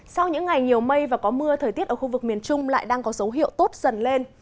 sau những ngày nhiều mây và có mưa thời tiết ở khu vực miền trung lại đang có dấu hiệu tốt dần lên